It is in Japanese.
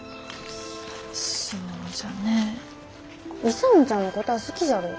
勇ちゃんのこたあ好きじゃろう。